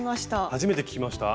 初めて聞きました？